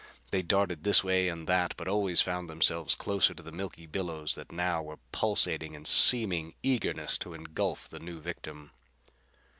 They darted this way and that but always found themselves closer to the milky billows that now were pulsating in seeming eagerness to engulf the new victim.